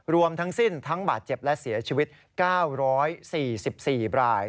รวมทั้งสิ้นทั้งบาดเจ็บและเสียชีวิต๙๔๔ราย